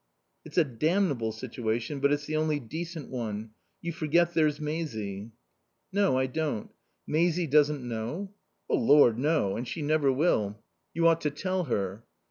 "It's a damnable situation, but it's the only decent one. You forget there's Maisie." "No, I don't. Maisie doesn't know?" "Oh Lord, no. And she never will." "You ought to tell her."